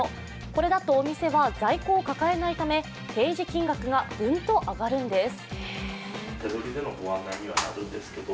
これだとお店は在庫を抱えないため提示金額がグンと上がるんです。